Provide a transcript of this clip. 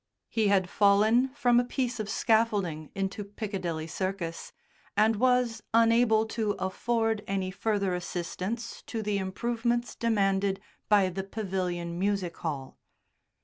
He had fallen from a piece of scaffolding into Piccadilly Circus, and was unable to afford any further assistance to the improvements demanded by the Pavilion Music Hall.